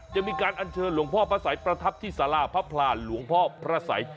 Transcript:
จะมีการอัญเชิญหลวงพ่อพระสัยประทับที่สาราพระพลานหลวงพ่อพระสัย